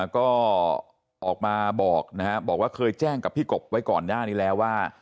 ก็ออกมาบอกนะครับบอกว่าเคยแจ้งกับพี่กบไว้ก่อนหน้านี้แล้วว่า